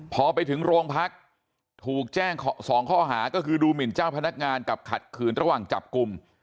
พอไปถึงโรงพักถูกแจ้ง๒ข้อหาก็คือดูหมินเจ้าพนักงานกับขัดขืนระหว่างจับกลุ่ม